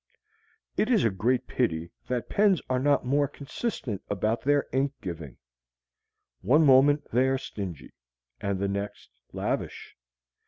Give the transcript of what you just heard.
It is a great pity that pens are not more consistent about their ink giving. One moment they are stingy, and the next lavish.